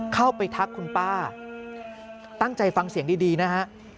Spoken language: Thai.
ทักคุณป้าตั้งใจฟังเสียงดีนะฮะ